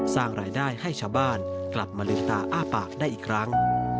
สร้างรายได้ให้ชาวบ้านกลับมาลืมตาอ้าปากได้อีกครั้ง